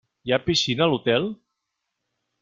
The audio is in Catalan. Hi ha piscina a l'hotel?